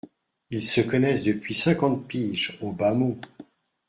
Ils se connaissent depuis cinquante piges, au bas mot.